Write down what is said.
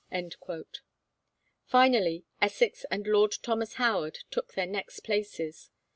Finally, Essex and Lord Thomas Howard took the next places.